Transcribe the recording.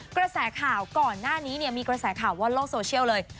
กระแสข่าวก่อนหน้านี้เนี่ยมีกระแสข่าวว่าโลกโซเชียลเลย